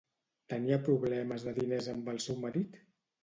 Tenia problemes de diners amb el seu marit?